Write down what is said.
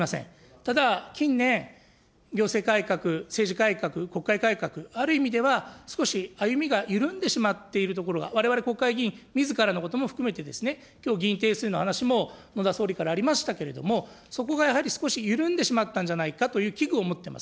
ただ、近年、行政改革、政治改革、国会改革、ある意味では少し歩みが緩んでしまっているところが、われわれ国会議員みずからのことも含めてですね、きょう、議員定数の話ものだ総理からありましたけれども、そこがやはり少し緩んでしまったんじゃないかという危惧を持っています。